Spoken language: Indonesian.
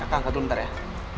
pengen kita langsung the sesion